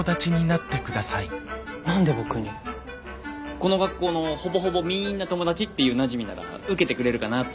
この学校のほぼほぼみんな友達っていうなじみなら受けてくれるかなって。